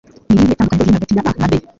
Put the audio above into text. Ni irihe tandukaniro riri hagati ya A na B?